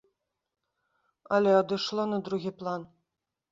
Але адышло на другі план.